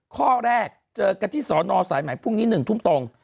ข้อแรกเจอกันที่สอนอสายใหม่พรุ่งนี้๑ทุ่มตรง